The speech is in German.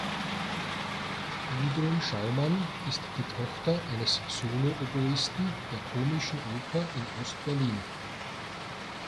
Gudrun Schaumann ist die Tochter eines Solo-Oboisten der Komischen Oper in Ost-Berlin.